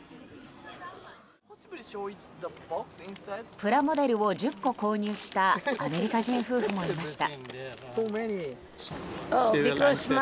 プラモデルを１０個購入したアメリカ人夫婦もいました。